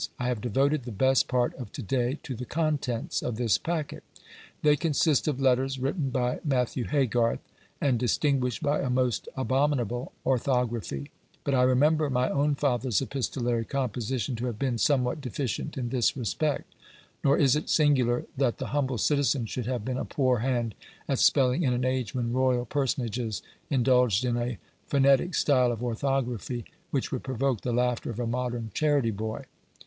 I have devoted the best part of to day to the contents of this packet. They consist of letters written by Matthew Haygarth, and distinguished by a most abominable orthography; but I remember my own father's epistolary composition to have been somewhat deficient in this respect; nor is it singular that the humble citizen should have been a poor hand at spelling in an age when royal personages indulged in a phonetic style of orthography which would provoke the laughter of a modern charity boy.